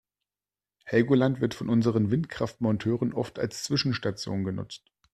Helgoland wird von unseren Windkraftmonteuren oft als Zwischenstation genutzt.